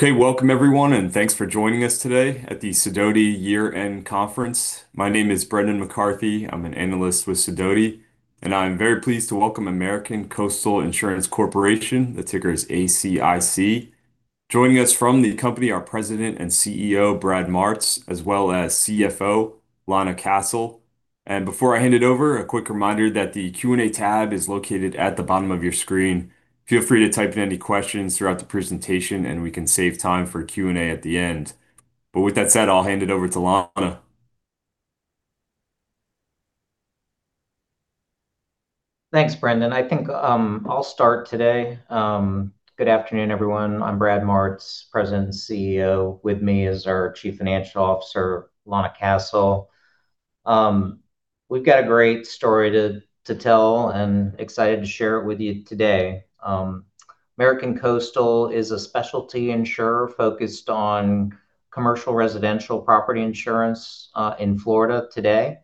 Okay, welcome everyone, and thanks for joining us today at the Sidoti Year-End Conference. My name is Brennan McCarthy. I'm an analyst with Sidoti, and I'm very pleased to welcome American Coastal Insurance Corporation, the ticker is ACIC. Joining us from the company are President and CEO Brad Martz, as well as CFO Lana Castle. And before I hand it over, a quick reminder that the Q&A tab is located at the bottom of your screen. Feel free to type in any questions throughout the presentation, and we can save time for Q&A at the end. But with that said, I'll hand it over to Lana. Thanks, Brennan. I think I'll start today. Good afternoon, everyone. I'm Brad Martz, President and CEO. With me is our Chief Financial Officer, Lana Castle. We've got a great story to tell and excited to share it with you today. American Coastal is a specialty insurer focused on commercial residential property insurance in Florida today.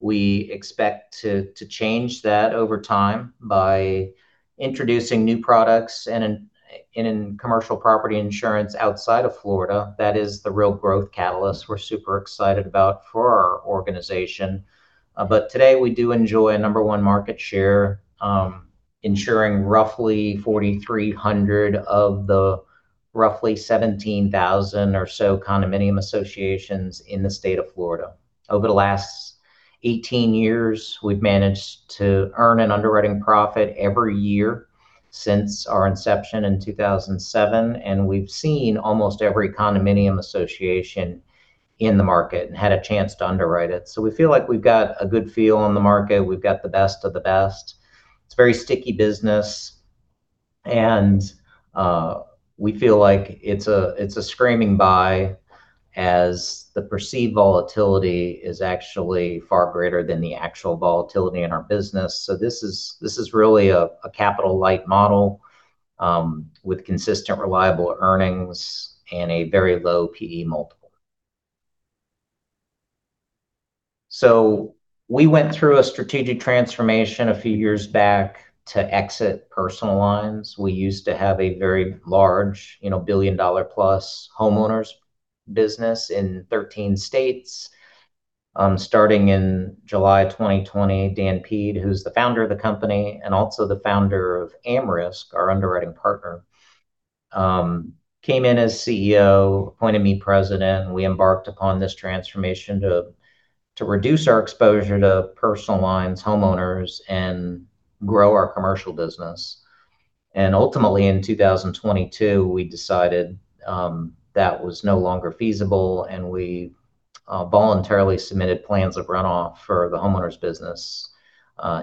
We expect to change that over time by introducing new products and commercial property insurance outside of Florida. That is the real growth catalyst we're super excited about for our organization. But today, we do enjoy a number one market share, insuring roughly 4,300 of the roughly 17,000 or so condominium associations in the state of Florida. Over the last 18 years, we've managed to earn an underwriting profit every year since our inception in 2007, and we've seen almost every condominium association in the market and had a chance to underwrite it. So we feel like we've got a good feel on the market. We've got the best of the best. It's a very sticky business, and we feel like it's a screaming buy as the perceived volatility is actually far greater than the actual volatility in our business. So this is really a capital-light model with consistent, reliable earnings and a very low PE multiple. So we went through a strategic transformation a few years back to exit personal loans. We used to have a very large $1 billion-plus homeowners business in 13 states. Starting in July 2020, Dan Peed, who's the founder of the company and also the founder of AmRisc, our underwriting partner, came in as CEO, appointed me President. We embarked upon this transformation to reduce our exposure to personal loans, homeowners, and grow our commercial business. Ultimately, in 2022, we decided that was no longer feasible, and we voluntarily submitted plans of runoff for the homeowners business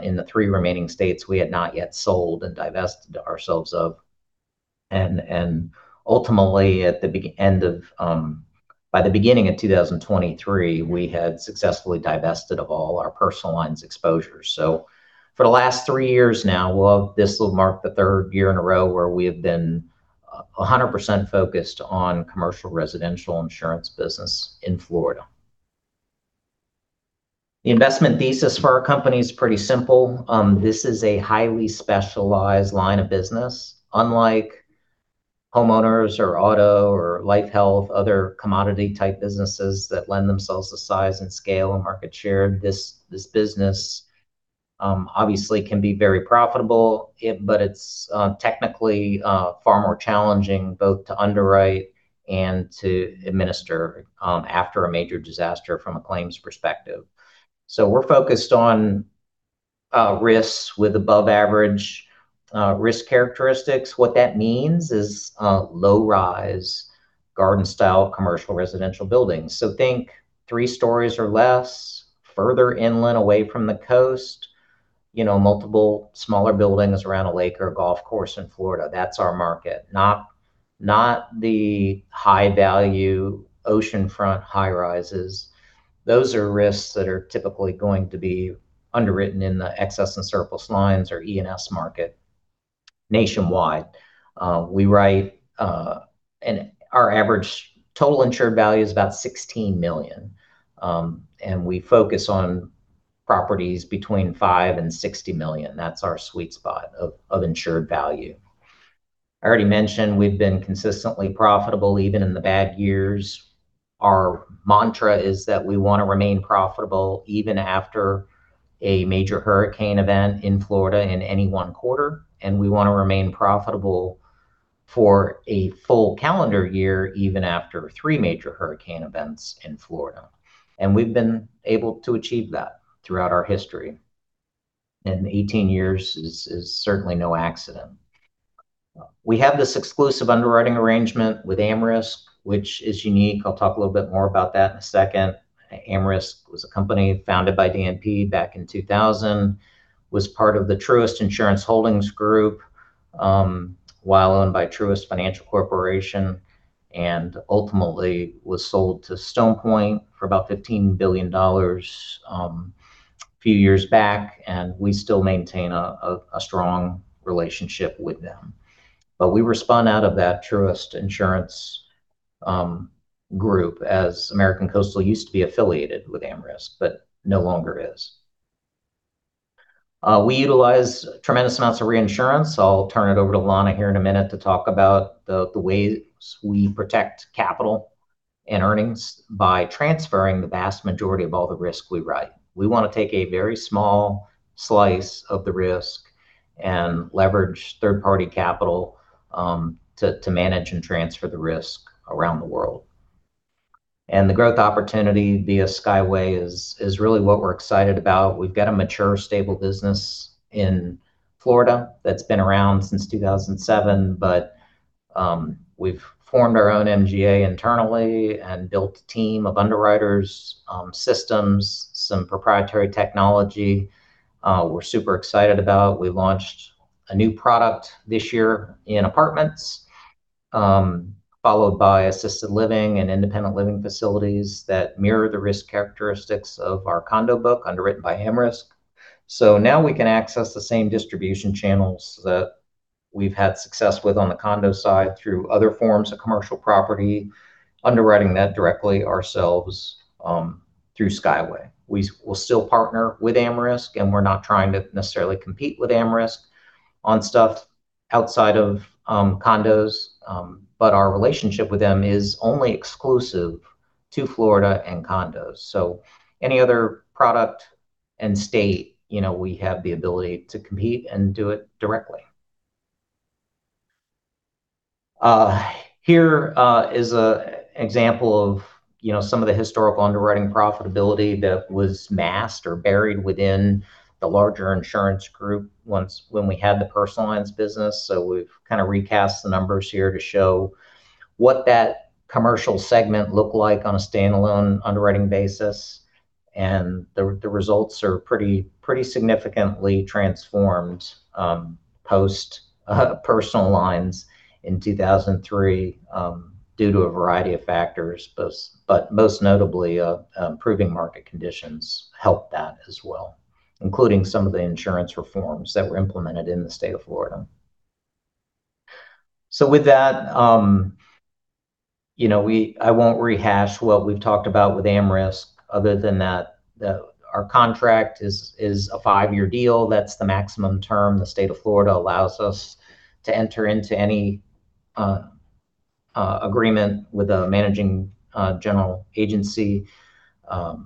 in the three remaining states we had not yet sold and divested ourselves off. Ultimately, by the beginning of 2023, we had successfully divested of all our personal lines exposures. For the last three years now, this will mark the third year in a row where we have been 100% focused on commercial residential insurance business in Florida. The investment thesis for our company is pretty simple. This is a highly specialized line of business. Unlike homeowners or auto or life health, other commodity-type businesses that lend themselves to size and scale and market share, this business obviously can be very profitable, but it's technically far more challenging both to underwrite and to administer after a major disaster from a claims perspective. So we're focused on risks with above-average risk characteristics. What that means is low-rise, garden-style commercial residential buildings. So think three stories or less, further inland away from the coast, multiple smaller buildings around a lake or a golf course in Florida. That's our market. Not the high-value oceanfront high-rises. Those are risks that are typically going to be underwritten in the excess and surplus lines or E&S market nationwide. We write our average total insured value is about $16 million, and we focus on properties between $5 million-$60 million. That's our sweet spot of insured value. I already mentioned we've been consistently profitable even in the bad years. Our mantra is that we want to remain profitable even after a major hurricane event in Florida in any one quarter, and we want to remain profitable for a full calendar year even after three major hurricane events in Florida. And we've been able to achieve that throughout our history, and 18 years is certainly no accident. We have this exclusive underwriting arrangement with AmRisc, which is unique. I'll talk a little bit more about that in a second. AmRisc was a company founded by Dan Peed back in 2000, was part of the Truist Insurance Holdings while owned by Truist Financial Corporation, and ultimately was sold to Stone Point for about $15 billion a few years back, and we still maintain a strong relationship with them. But we spun out of that Truist Insurance Holdings as American Coastal used to be affiliated with AmRisc, but no longer is. We utilize tremendous amounts of reinsurance. I'll turn it over to Lana here in a minute to talk about the ways we protect capital and earnings by transferring the vast majority of all the risk we write. We want to take a very small slice of the risk and leverage third-party capital to manage and transfer the risk around the world, and the growth opportunity via Skyway is really what we're excited about. We've got a mature, stable business in Florida that's been around since 2007, but we've formed our own MGA internally and built a team of underwriters, systems, some proprietary technology we're super excited about. We launched a new product this year in apartments, followed by assisted living and independent living facilities that mirror the risk characteristics of our condo book underwritten by AmRisc, so now we can access the same distribution channels that we've had success with on the condo side through other forms of commercial property, underwriting that directly ourselves through Skyway. We will still partner with AmRisc, and we're not trying to necessarily compete with AmRisc on stuff outside of Condos, but our relationship with them is only exclusive to Florida and Condos, so any other product and state, we have the ability to compete and do it directly. Here is an example of some of the historical underwriting profitability that was masked or buried within the larger insurance group when we had the personal lines business, so we've kind of recast the numbers here to show what that commercial segment looked like on a standalone underwriting basis, and the results are pretty significantly transformed post-personal lines in 2003 due to a variety of factors, but most notably, improving market conditions helped that as well, including some of the insurance reforms that were implemented in the state of Florida. So with that, I won't rehash what we've talked about with AmRisc other than that our contract is a five-year deal. That's the maximum term the state of Florida allows us to enter into any agreement with a managing general agency for.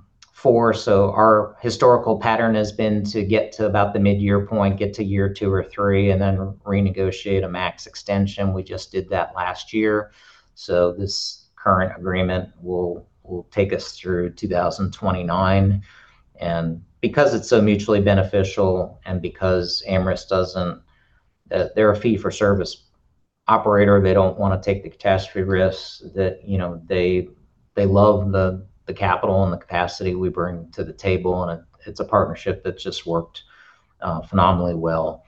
So our historical pattern has been to get to about the mid-year point, get to year two or three, and then renegotiate a max extension. We just did that last year. So this current agreement will take us through 2029. And because it's so mutually beneficial and because AmRisc doesn't. They're a fee-for-service operator. They don't want to take the catastrophe risk. They love the capital and the capacity we bring to the table, and it's a partnership that's just worked phenomenally well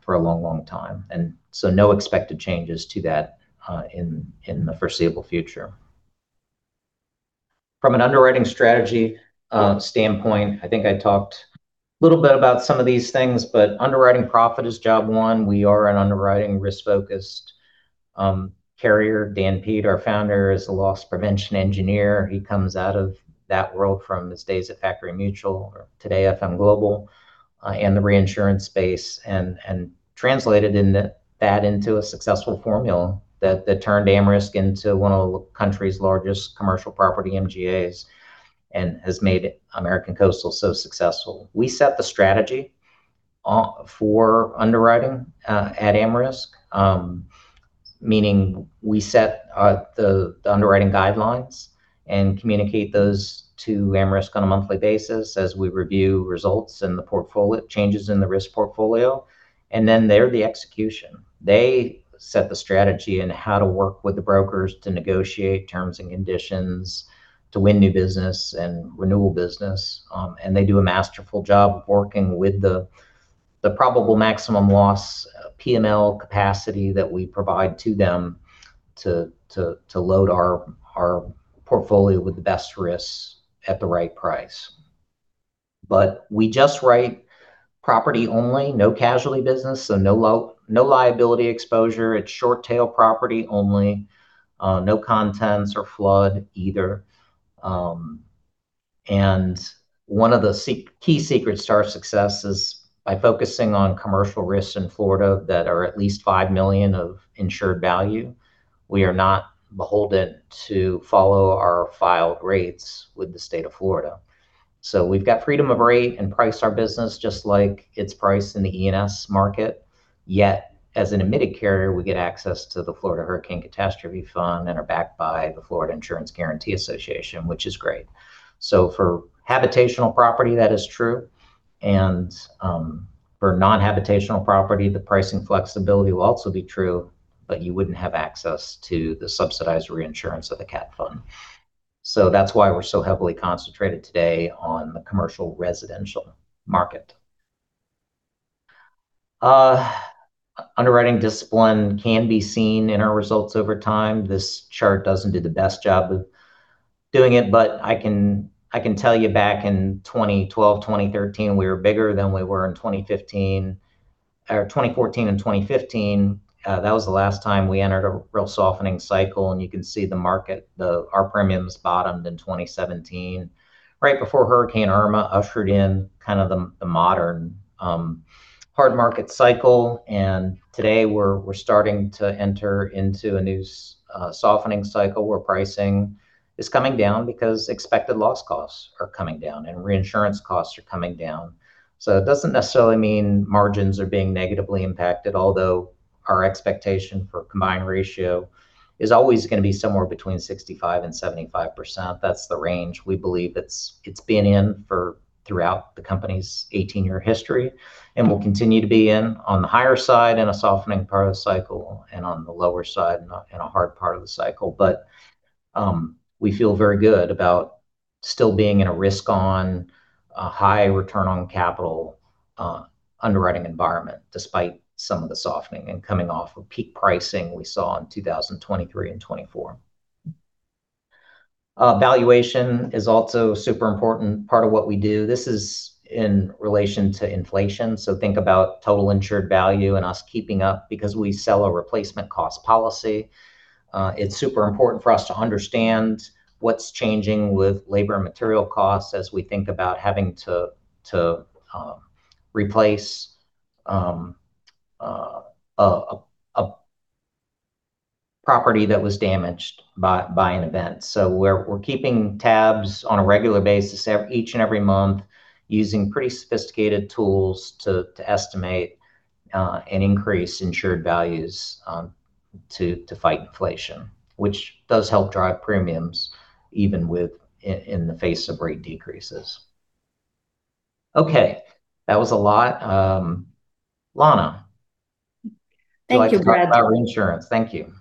for a long, long time. And so no expected changes to that in the foreseeable future. From an underwriting strategy standpoint, I think I talked a little bit about some of these things, but underwriting profit is job one. We are an underwriting risk-focused carrier. Dan Peed, our founder, is a loss prevention engineer. He comes out of that world from his days at Factory Mutual or today FM Global and the reinsurance space and translated that into a successful formula that turned AmRisc into one of the country's largest commercial property MGAs and has made American Coastal so successful. We set the strategy for underwriting at AmRisc, meaning we set the underwriting guidelines and communicate those to AmRisc on a monthly basis as we review results and the changes in the risk portfolio, and then they're the execution. They set the strategy and how to work with the brokers to negotiate terms and conditions to win new business and renewal business. And they do a masterful job of working with the probable maximum loss P&L capacity that we provide to them to load our portfolio with the best risks at the right price. But we just write property only, no casualty business, so no liability exposure. It's short-tail property only, no contents or flood either. And one of the key secrets to our success is by focusing on commercial risks in Florida that are at least $5 million of insured value, we are not beholden to follow our filed rates with the state of Florida. So we've got freedom of rate and price our business just like it's priced in the E&S market. Yet as an admitted carrier, we get access to the Florida Hurricane Catastrophe Fund and are backed by the Florida Insurance Guarantee Association, which is great. So for habitational property, that is true. And for non-habitational property, the pricing flexibility will also be true, but you wouldn't have access to the subsidized reinsurance of the CAT Fund. So that's why we're so heavily concentrated today on the commercial residential market. Underwriting discipline can be seen in our results over time. This chart doesn't do the best job of doing it, but I can tell you back in 2012, 2013, we were bigger than we were in 2014 and 2015. That was the last time we entered a real softening cycle, and you can see the market. Our premiums bottomed in 2017 right before Hurricane Irma ushered in kind of the modern hard market cycle. And today, we're starting to enter into a new softening cycle where pricing is coming down because expected loss costs are coming down and reinsurance costs are coming down. So it doesn't necessarily mean margins are being negatively impacted, although our expectation for a combined ratio is always going to be somewhere between 65% and 75%. That's the range we believe it's been in throughout the company's 18-year history and will continue to be in on the higher side in a softening part of the cycle and on the lower side in a hard part of the cycle. But we feel very good about still being in a risk-on, high return on capital underwriting environment despite some of the softening and coming off of peak pricing we saw in 2023 and 2024. Valuation is also a super important part of what we do. This is in relation to inflation. So think about total insured value and us keeping up because we sell a replacement cost policy. It's super important for us to understand what's changing with labor and material costs as we think about having to replace a property that was damaged by an event. So we're keeping tabs on a regular basis each and every month using pretty sophisticated tools to estimate and increase insured values to fight inflation, which does help drive premiums even in the face of rate decreases. Okay. That was a lot. Lana. Thank you, Brad. Our insurance. Thank you.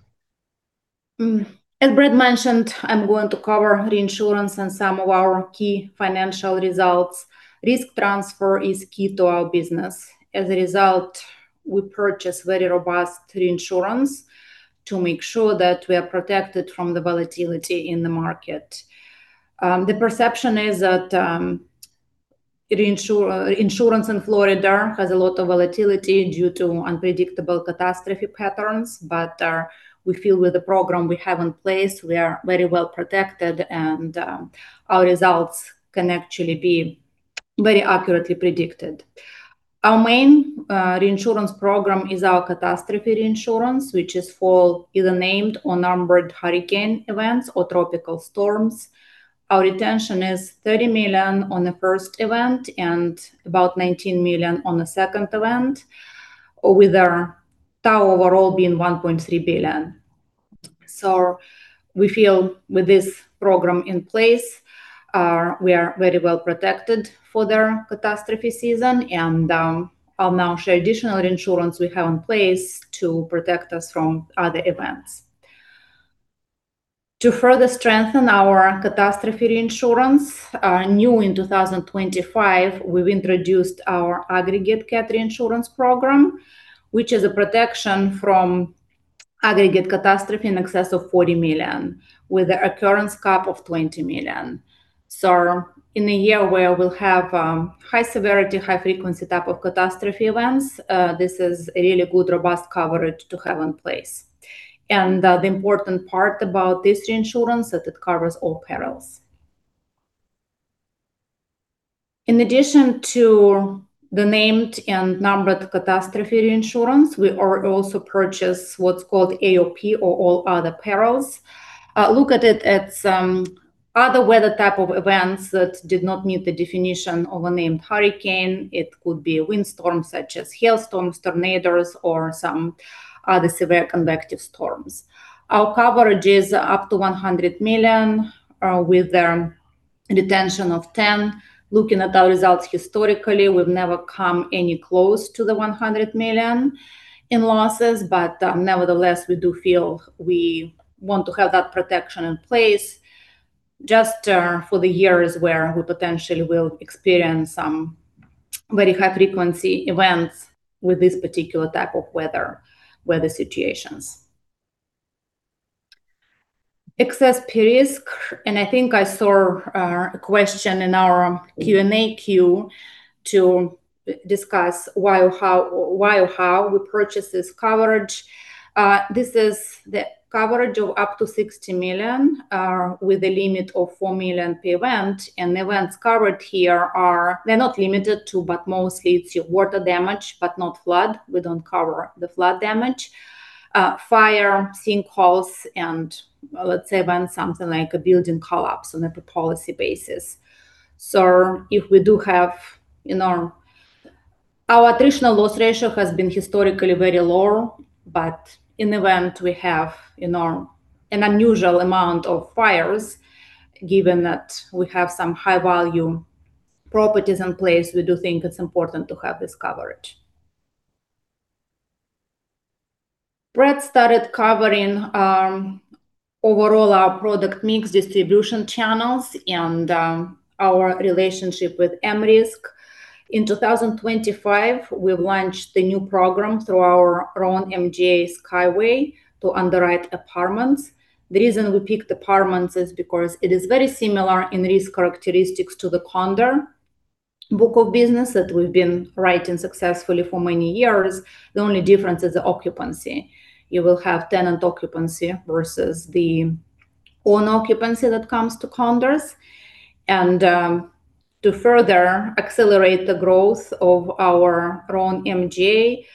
As Brad mentioned, I'm going to cover reinsurance and some of our key financial results. Risk transfer is key to our business. As a result, we purchase very robust reinsurance to make sure that we are protected from the volatility in the market. The perception is that reinsurance in Florida has a lot of volatility due to unpredictable catastrophe patterns, but we feel with the program we have in place, we are very well protected, and our results can actually be very accurately predicted. Our main reinsurance program is our catastrophe reinsurance, which is for either named or numbered hurricane events or tropical storms. Our retention is $30 million on the first event and about $19 million on the second event, with our total overall being $1.3 billion. So we feel with this program in place, we are very well protected for the catastrophe season, and I'll now share additional reinsurance we have in place to protect us from other events. To further strengthen our catastrophe reinsurance, new in 2025, we've introduced our aggregate CAT reinsurance program, which is a protection from aggregate catastrophe in excess of $40 million with an occurrence cap of $20 million. So in a year where we'll have high severity, high frequency type of catastrophe events, this is a really good, robust coverage to have in place. And the important part about this reinsurance is that it covers all perils. In addition to the named and numbered catastrophe reinsurance, we also purchase what's called AOP or all other perils. Look at it as other weather type of events that did not meet the definition of a named hurricane. It could be windstorms such as hailstorms, tornadoes, or some other severe convective storms. Our coverage is up to $100 million with a retention of $10 million. Looking at our results historically, we've never come any close to the $100 million in losses, but nevertheless, we do feel we want to have that protection in place just for the years where we potentially will experience some very high frequency events with this particular type of weather situations. Excess per risk, and I think I saw a question in our Q&A queue to discuss why or how we purchase this coverage. This is the coverage of up to $60 million with a limit of $4 million per event. And the events covered here are. They're not limited to, but mostly it's your water damage, but not flood. We don't cover the flood damage, fire, sinkhauls, and let's say events something like a building collapse on a policy basis. So if we do have, our attritional loss ratio has been historically very low, but in the event we have an unusual amount of fires, given that we have some high-value properties in place, we do think it's important to have this coverage. Brad started covering overall our product mix distribution channels and our relationship with AmRisc. In 2025, we've launched the new program through our own MGA Skyway to underwrite apartments. The reason we picked apartments is because it is very similar in risk characteristics to the condo book of business that we've been writing successfully for many years. The only difference is the occupancy. You will have tenant occupancy versus the owner occupancy that comes with condos. And to further accelerate the growth of our own MGA,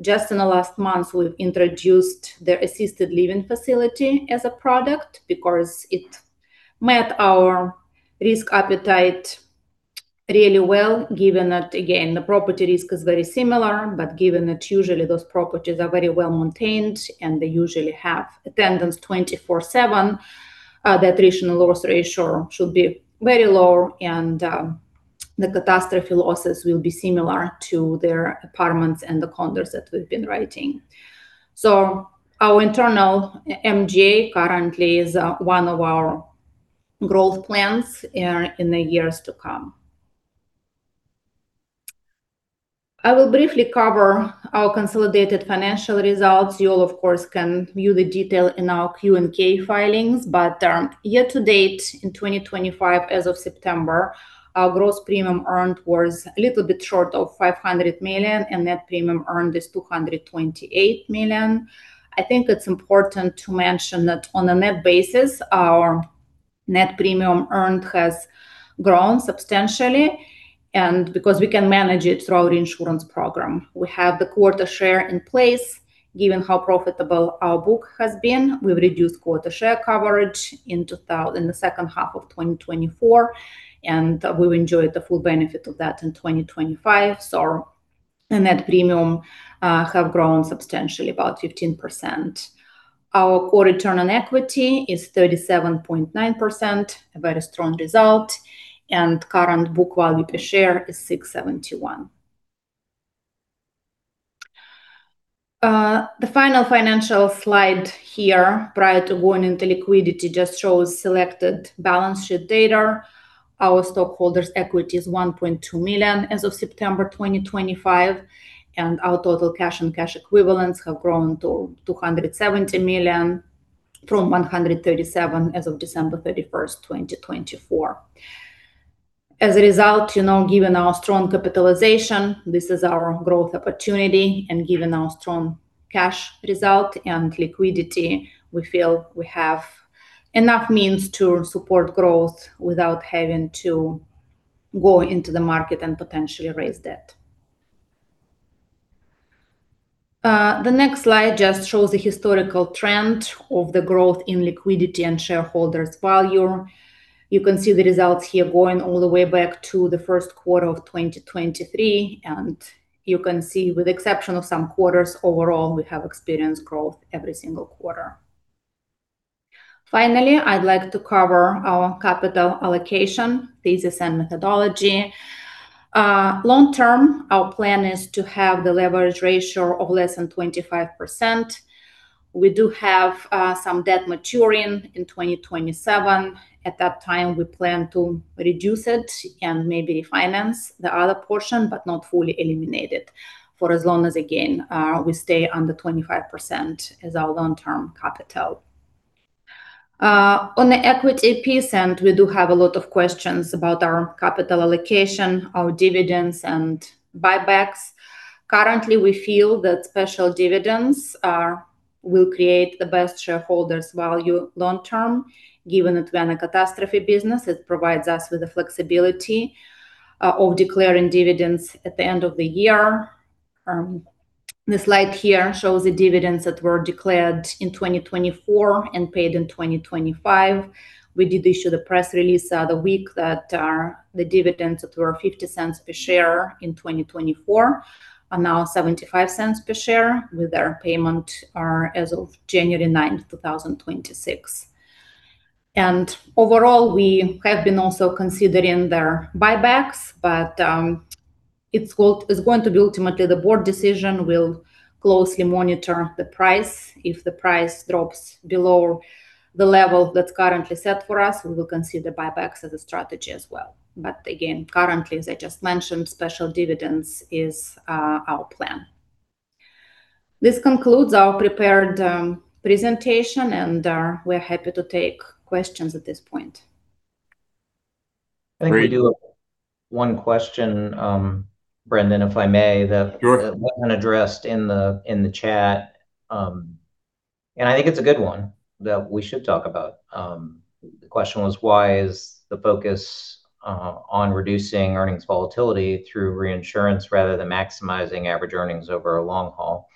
just in the last month, we've introduced the assisted living facility as a product because it met our risk appetite really well, given that, again, the property risk is very similar, but given that usually those properties are very well maintained and they usually have attendants 24/7, the attritional loss ratio should be very low, and the catastrophe losses will be similar to their apartments and the condos that we've been writing. So our internal MGA currently is one of our growth plans in the years to come. I will briefly cover our consolidated financial results. You all, of course, can view the detail in our Q&A filings, but year to date in 2025, as of September, our gross premium earned was a little bit short of $500 million, and net premium earned is $228 million. I think it's important to mention that on a net basis, our net premium earned has grown substantially because we can manage it through our insurance program. We have the quota share in place. Given how profitable our book has been, we've reduced quota share coverage in the second half of 2024, and we've enjoyed the full benefit of that in 2025. So the net premium has grown substantially, about 15%. Our core return on equity is 37.9%, a very strong result, and current book value per share is $671. The final financial slide here, prior to going into liquidity, just shows selected balance sheet data, our stockholders' equity is $1.2 million as of September 2025, and our total cash and cash equivalents have grown to $270 million from $137 million as of December 31st, 2024. As a result, given our strong capitalization, this is our growth opportunity, and given our strong cash result and liquidity, we feel we have enough means to support growth without having to go into the market and potentially raise debt. The next slide just shows the historical trend of the growth in liquidity and shareholders' value. You can see the results here going all the way back to the first quarter of 2023, and you can see, with the exception of some quarters, overall, we have experienced growth every single quarter. Finally, I'd like to cover our capital allocation thesis and methodology. Long term, our plan is to have the leverage ratio of less than 25%. We do have some debt maturing in 2027. At that time, we plan to reduce it and maybe finance the other portion, but not fully eliminate it for as long as, again, we stay under 25% as our long-term capital. On the equity piece, we do have a lot of questions about our capital allocation, our dividends, and buybacks. Currently, we feel that special dividends will create the best shareholders' value long term, given that we are in a catastrophe business. It provides us with the flexibility of declaring dividends at the end of the year. The slide here shows the dividends that were declared in 2024 and paid in 2025. We did issue the press release the other week that the dividends that were $0.50 per share in 2024 are now $0.75 per share with their payment as of January 9th, 2026. Overall, we have been also considering their buybacks, but it's going to be ultimately the board decision. We'll closely monitor the price. If the price drops below the level that's currently set for us, we will consider buybacks as a strategy as well. But again, currently, as I just mentioned, special dividends is our plan. This concludes our prepared presentation, and we're happy to take questions at this point. Thank you. One question, Brandon, if I may, that wasn't addressed in the chat. And I think it's a good one that we should talk about. The question was, why is the focus on reducing earnings volatility through reinsurance rather than maximizing average earnings over a long haul?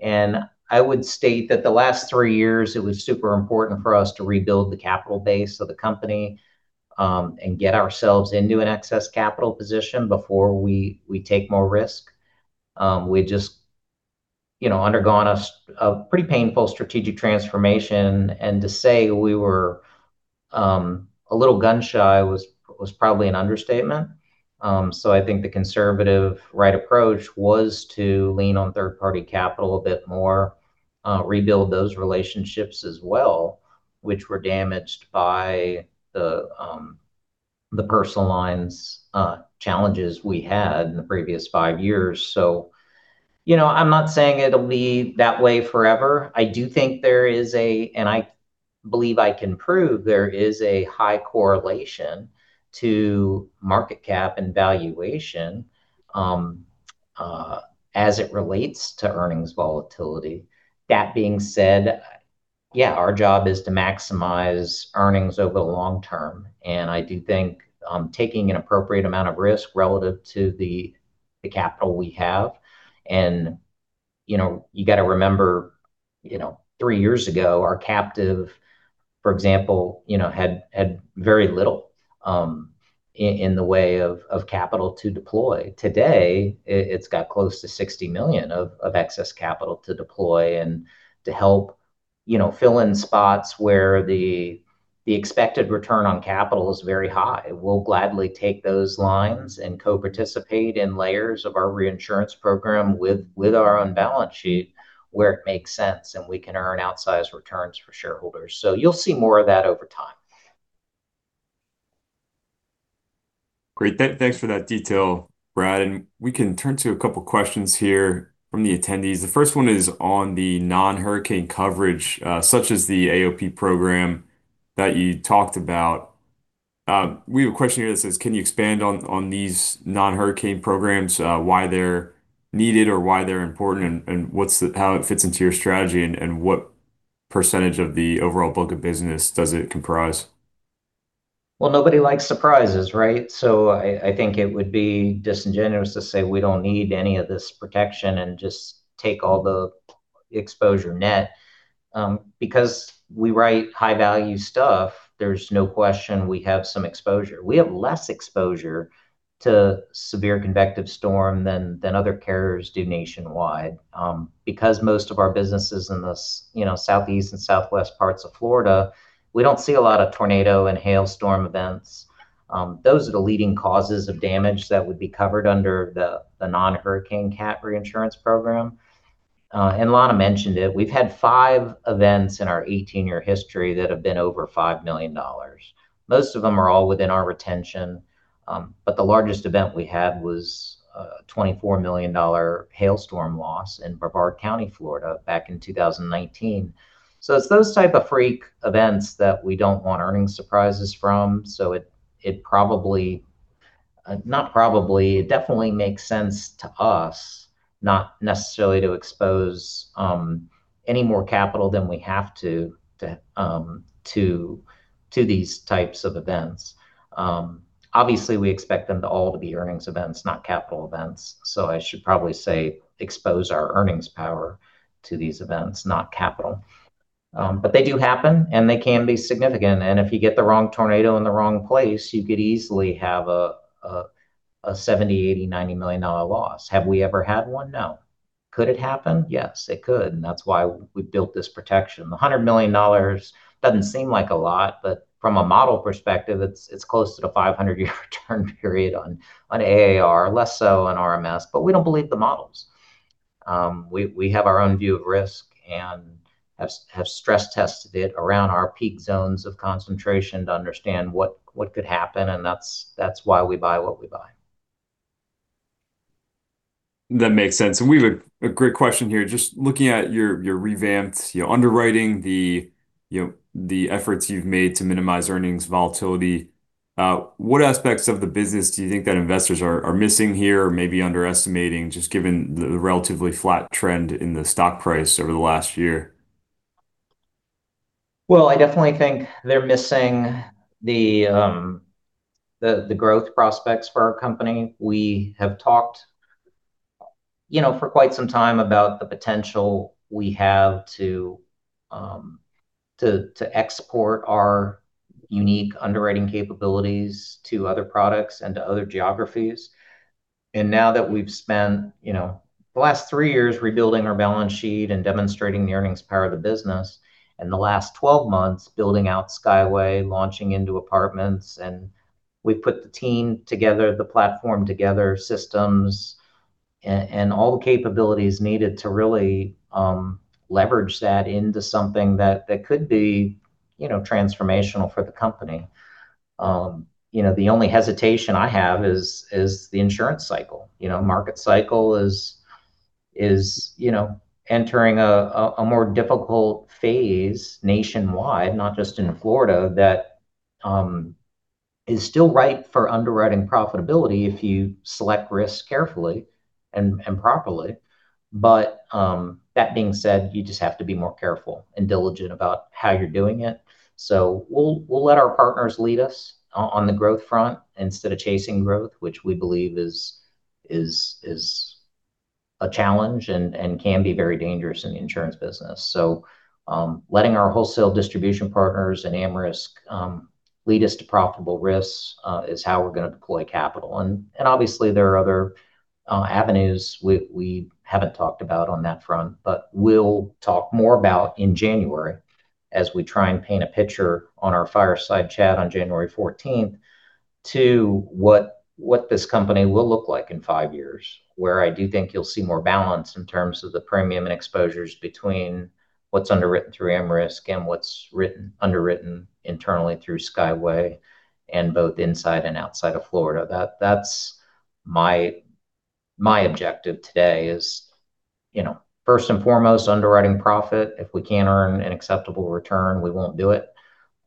And I would state that the last three years, it was super important for us to rebuild the capital base of the company and get ourselves into an excess capital position before we take more risk. We had just undergone a pretty painful strategic transformation, and to say we were a little gun-shy was probably an understatement. So I think the conservative, right approach was to lean on third-party capital a bit more, rebuild those relationships as well, which were damaged by the personal lines challenges we had in the previous five years. So I'm not saying it'll be that way forever. I do think there is a, and I believe I can prove there is a high correlation to market cap and valuation as it relates to earnings volatility. That being said, yeah, our job is to maximize earnings over the long term. And I do think taking an appropriate amount of risk relative to the capital we have. And you got to remember, three years ago, our captive, for example, had very little in the way of capital to deploy. Today, it's got close to $60 million of excess capital to deploy and to help fill in spots where the expected return on capital is very high. We'll gladly take those lines and co-participate in layers of our reinsurance program with our own balance sheet where it makes sense, and we can earn outsized returns for shareholders. So you'll see more of that over time. Great. Thanks for that detail, Brad. And we can turn to a couple of questions here from the attendees. The first one is on the non-hurricane coverage, such as the AOP program that you talked about. We have a question here that says, “Can you expand on these non-hurricane programs, why they're needed or why they're important, and how it fits into your strategy, and what percentage of the overall book of business does it comprise?” Well, nobody likes surprises, right? So I think it would be disingenuous to say we don't need any of this protection and just take all the exposure net. Because we write high-value stuff, there's no question we have some exposure. We have less exposure to severe convective storm than other carriers do nationwide. Because most of our businesses in the southeast and southwest parts of Florida, we don't see a lot of tornado and hailstorm events. Those are the leading causes of damage that would be covered under the non-hurricane CAT reinsurance program, and Lana mentioned it. We've had five events in our 18-year history that have been over $5 million. Most of them are all within our retention, but the largest event we had was a $24 million hailstorm loss in Brevard County, Florida, back in 2019. So it's those type of freak events that we don't want earnings surprises from. So it probably, not probably, it definitely makes sense to us not necessarily to expose any more capital than we have to to these types of events. Obviously, we expect them to all be earnings events, not capital events. So I should probably say expose our earnings power to these events, not capital. But they do happen, and they can be significant. And if you get the wrong tornado in the wrong place, you could easily have a $70 million, $80 million, $90 million loss. Have we ever had one? No. Could it happen? Yes, it could. And that's why we built this protection. The $100 million doesn't seem like a lot, but from a model perspective, it's close to the 500-year return period on AIR, less so on RMS. But we don't believe the models. We have our own view of risk and have stress-tested it around our peak zones of concentration to understand what could happen, and that's why we buy what we buy. That makes sense. And we have a great question here. Just looking at your revamped underwriting, the efforts you've made to minimize earnings volatility, what aspects of the business do you think that investors are missing here or maybe underestimating, just given the relatively flat trend in the stock price over the last year? Well, I definitely think they're missing the growth prospects for our company. We have talked for quite some time about the potential we have to export our unique underwriting capabilities to other products and to other geographies and now that we've spent the last three years rebuilding our balance sheet and demonstrating the earnings power of the business, and the last 12 months building out Skyway, launching into apartments, and we've put the team together, the platform together, systems, and all the capabilities needed to really leverage that into something that could be transformational for the company. The only hesitation I have is the insurance cycle. market cycle is entering a more difficult phase nationwide, not just in Florida, that is still ripe for underwriting profitability if you select risk carefully and properly but that being said, you just have to be more careful and diligent about how you're doing it. So we'll let our partners lead us on the growth front instead of chasing growth, which we believe is a challenge and can be very dangerous in the insurance business. So letting our whaulsale distribution partners and AmRisc lead us to profitable risks is how we're going to deploy capital. And obviously, there are other avenues we haven't talked about on that front, but we'll talk more about in January as we try and paint a picture on our fireside chat on January 14th to what this company will look like in five years, where I do think you'll see more balance in terms of the premium and exposures between what's underwritten through AmRisc and what's underwritten internally through Skyway and both inside and outside of Florida. That's my objective today is, first and foremost, underwriting profit. If we can't earn an acceptable return, we won't do it.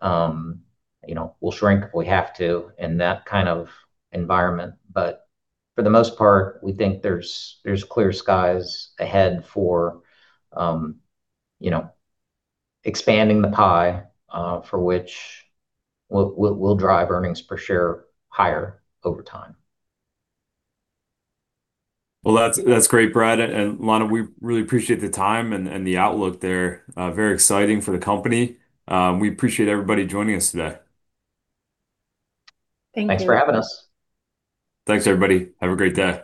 We'll shrink if we have to in that kind of environment. But for the most part, we think there's clear skies ahead for expanding the pie for which we'll drive earnings per share higher over time. Well, that's great, Brad and Lana, we really appreciate the time and the outlook there. Very exciting for the company. We appreciate everybody joining us today. Thank you. Thanks for having us. Thanks, everybody. Have a great day.